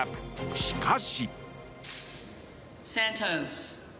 しかし。